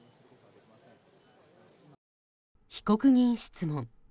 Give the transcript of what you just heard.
被告人質問。